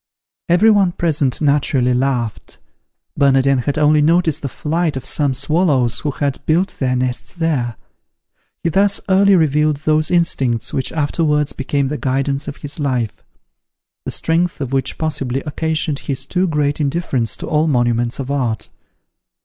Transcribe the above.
Every one present naturally laughed. Bernardin had only noticed the flight of some swallows who had built their nests there. He thus early revealed those instincts which afterwards became the guidance of his life: the strength of which possibly occasioned his too great indifference to all monuments of art.